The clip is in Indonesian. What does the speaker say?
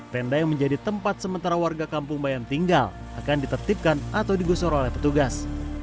tenda yang menjadi tempat sementara warga kampung bayam tinggal akan ditertibkan atau digusur oleh petugas